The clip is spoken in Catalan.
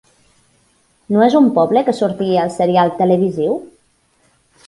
No és un poble que sortia al serial televisiu?